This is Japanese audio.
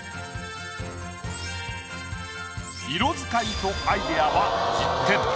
色使いとアイデアは１０点。